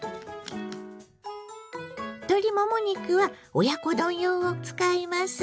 鶏もも肉は親子丼用を使います。